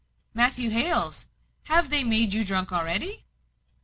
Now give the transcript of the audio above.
Matthew Hales, have they made you drunk already?"